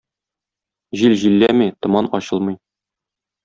Җил җилләми, томан ачылмый.